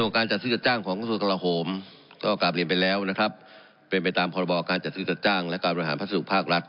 การจัดซื้อจัดจ้างและการบริหารภาษาศูนย์ภาครัฐ